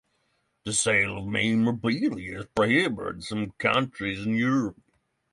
The sale of memorabilia is prohibited in some countries in Europe.